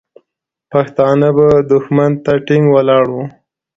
پښتانه به دښمن ته ټینګ ولاړ وو.